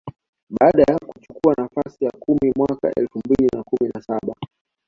baada ya kuchukua nafasi ya kumi mwaka elfu mbili na kumi na saba